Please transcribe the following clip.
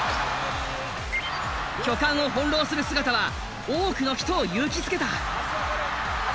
巨漢を翻弄する姿は多くの人を勇気づけた。